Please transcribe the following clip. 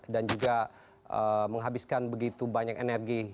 dan juga menghabiskan begitu banyak energi